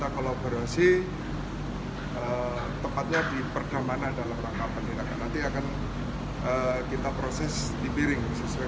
kolaborasi tempatnya diperdamana dalam rangka pendidikan nanti akan kita proses dipiring sesuai